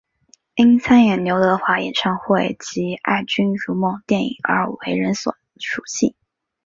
因参演刘德华演唱会及爱君如梦电影而为人所熟悉。